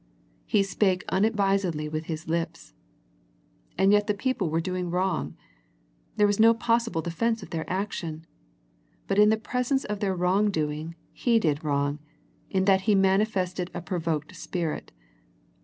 " He spake unadvisedly with his lips." And yet the people were doing wrong. There was no possible defence of their action, but in the presence of their wrong doing, he did wrong, in that he manifested a provoked spirit.